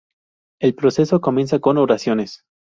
El proceso comienza con oraciones.